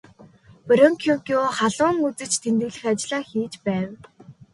Боркенкою халуун үзэж тэмдэглэх ажлаа хийж байв.